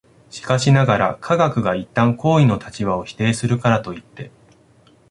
しかしながら、科学が一旦行為の立場を否定するからといって、